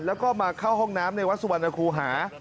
แล้วก็มาเข้าห้องน้ำในวัดสุวรรณคูหา